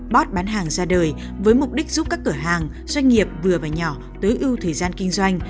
bốt bản hàng ra đời với mục đích giúp các cửa hàng doanh nghiệp vừa và nhỏ tới ưu thời gian kinh doanh